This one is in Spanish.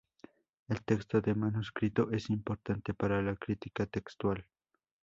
El texto del manuscrito es importante para la crítica textual.